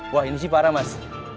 wah ini sih parah mas